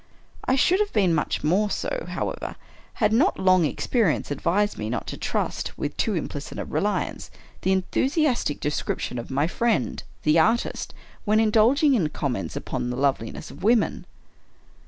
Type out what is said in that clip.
I should have been much more so, however, had not long experience advised me not to trust, with too implicit a reliance, the enthusiastic descrip tions of my friend, the artist, when indulging in comments upon the loveliness of woman.